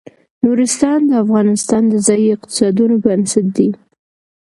نورستان د افغانستان د ځایي اقتصادونو بنسټ دی.